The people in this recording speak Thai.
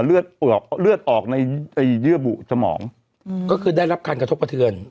เลือดออกเลือดออกในเยื่อบุสมองก็คือได้รับการกระทบกระเทือน